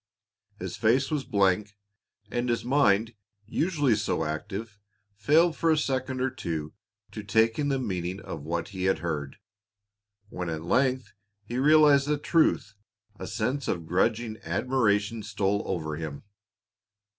His face was blank, and his mind, usually so active, failed for a second or two to take in the meaning of what he had heard. When at length he realized the truth, a sense of grudging admiration stole over him.